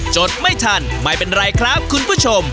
จดไม่ทันไม่เป็นไรครับคุณผู้ชม